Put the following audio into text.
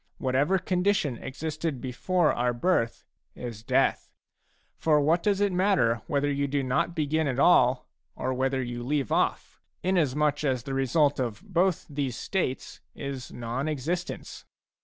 Whatever condition existed before our birth, is death. For what does it matter whether you do not begin at all, or whether you leave off, inasmuch as the result of both these states is non existence